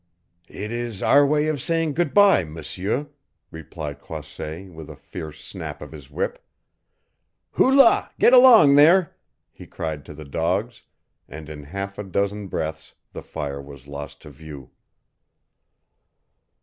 "It is our way of saying good by, M'seur," replied Croisset with a fierce snap of his whip. "Hoo la, get along there!" he cried to the dogs, and in half a dozen breaths the fire was lost to view.